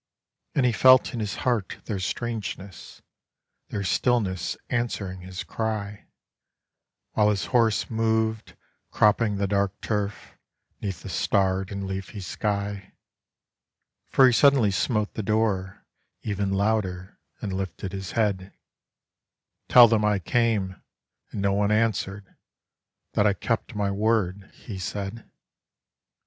And he felt in his heart their strangeness, Their stillness answering his cry, While his horse moved, cropping the dark turf, 'Neath the starred and leafy sky; For he suddenly smote the door, even Louder, and lifted his head: "Tell them I came, and no one answered, That I kept my word," he said.